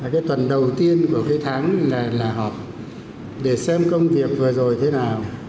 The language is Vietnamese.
cái tuần đầu tiên của cái tháng này là họp để xem công việc vừa rồi thế nào